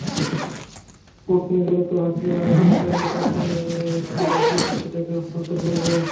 উটনী দ্রুত হাঁকিয়ে আবু সুফিয়ানের কাছে গিয়ে এই চিরকুটটি তাকে হস্তান্তর করবে।